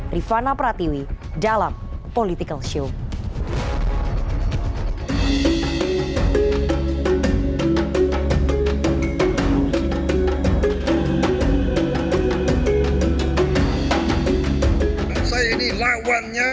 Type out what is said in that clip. rifana pratiwi dalam political show